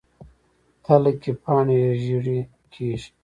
تله کې پاڼې ژیړي کیږي.